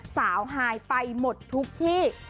ฮายไปหมดทุกที่